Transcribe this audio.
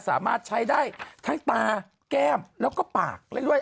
สามารถใช้ได้ทั้งตาแก้มแล้วก็ปากได้ด้วย